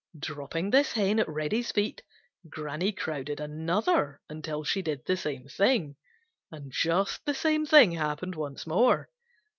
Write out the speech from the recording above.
Dropping this hen at Reddy's feet, Granny crowded another until she did the same thing, and just the same thing happened once more.